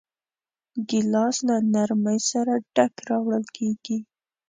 ګیلاس له نرمۍ سره ډک راوړل کېږي.